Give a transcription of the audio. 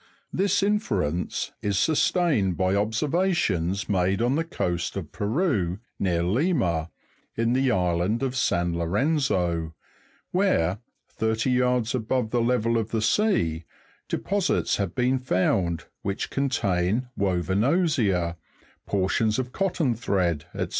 This inference is sustained by observations made on the coast of Peru, near Lima, in the island of San Lorenzo, where, thirty yards above the level of the sea, deposits have been found which contain woven osier, portions of cotton thread, &c.